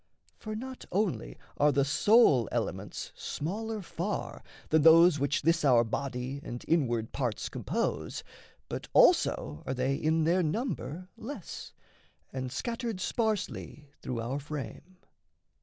For not only Are the soul elements smaller far than those Which this our body and inward parts compose, But also are they in their number less, And scattered sparsely through our frame.